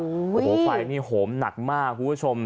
โอ้โหไฟนี่โหมหนักมากคุณผู้ชม